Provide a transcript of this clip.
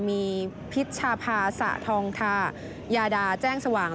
มีพิชภาสะทองทายาดาแจ้งสว่าง